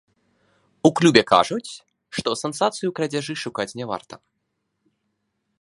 У клубе кажуць, што сенсацыі ў крадзяжы шукаць не варта.